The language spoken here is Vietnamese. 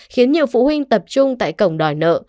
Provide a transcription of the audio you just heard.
khiến nhiều phụ huynh tập trung tại cổng đòi nợ